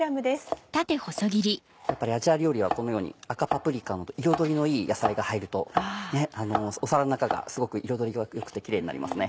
やっぱりアジア料理はこのように赤パプリカの彩りのいい野菜が入ると皿の中がすごく彩りが良くてキレイになりますね。